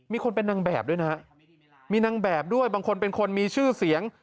เป็นคนเป็นนางแบบด้วยนะฮะมีนางแบบด้วยบางคนเป็นคนมีชื่อเสียง